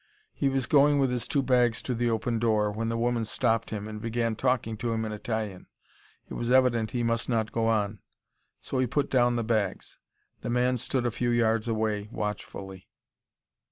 He was going with his two bags to the open door, when the woman stopped him, and began talking to him in Italian. It was evident he must not go on. So he put down the bags. The man stood a few yards away, watchfully.